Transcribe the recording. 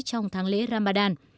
trong tháng lễ ramadan